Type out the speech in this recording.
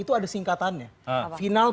itu ada singkatannya final